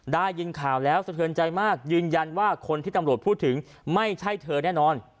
ได้ยินข่าวแล้วสะเทือนใจมากยืนยันว่าคนที่ตำรวจพูดถึงไม่ใช่เธอแน่นอน